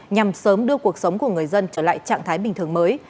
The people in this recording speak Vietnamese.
nhằm sớm đưa cuộc sống của người dân trở lại trạng thái bình thường mới